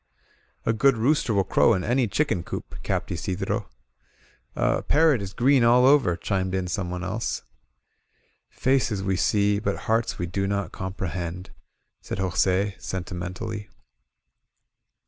A good rooster will crow in any chicken coop," capped Isidro. *^A parrot is green all over," chimed in someone else. Faces we see, but hearts we do not comprehend," said Jos£, sentimentally.